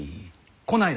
こないだ